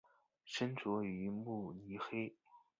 生卒于慕尼黑。